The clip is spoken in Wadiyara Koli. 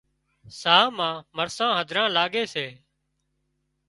ساهَه مان مرسان هڌران لاڳي سي